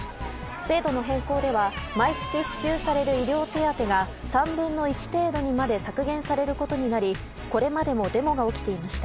制度の変更では毎月支給される医療手当が３分の１程度にまで削減されることになりこれまでもデモが起きていました。